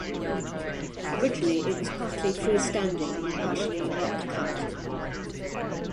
Originally, it was partially free-standing and partially rock-cut.